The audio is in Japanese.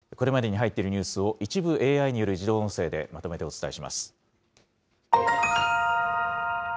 これまでに入っているニュースを一部、ＡＩによる自動音声でまとめてお伝えします。